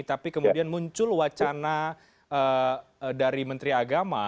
tapi kemudian muncul wacana dari menteri agama